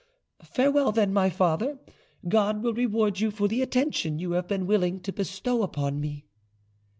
Farewell, then, my father; God will reward you for the attention you have been willing to bestow upon me."